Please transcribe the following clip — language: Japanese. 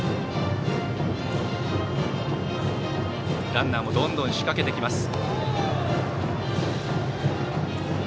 ランナーもどんどん仕掛けてきます。